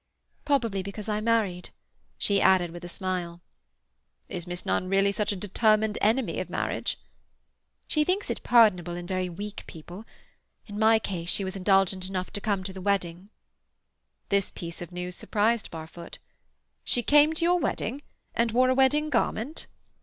"Probably because I married," she added with a smile. "Is Miss Nunn really such a determined enemy of marriage?" "She thinks it pardonable in very weak people. In my case she was indulgent enough to come to the wedding." This piece of news surprised Barfoot. "She came to your wedding? And wore a wedding garment?"